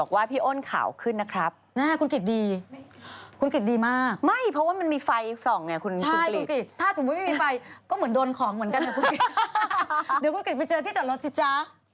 เดี๋ยวคุณกิจไปเจอที่จอดรถสิจ๊ะ